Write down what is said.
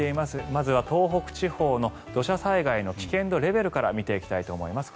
まずは東北地方の土砂災害の危険度レベルから見ていきたいと思います。